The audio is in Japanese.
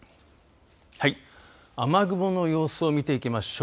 はい、雨雲の様子を見ていきましょう。